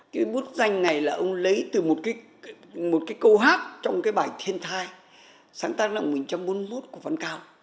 cái bút danh này là ông lấy từ một cái câu hát trong cái bài thiên thai sáng tác năm một nghìn chín trăm bốn mươi một của văn cao